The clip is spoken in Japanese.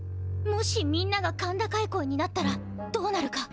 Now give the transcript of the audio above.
もしみんながかん高い声になったらどうなるか。